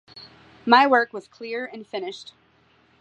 My work was clear and finished.